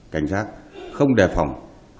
cảnh giác không đề phòng